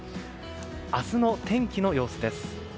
明日の天気の様子です。